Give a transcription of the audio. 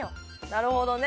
なるほどね。